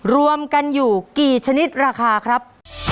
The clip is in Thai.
รวมกันอยู่กี่ชนิดราคาครับ